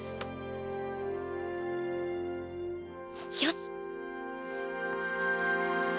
よし！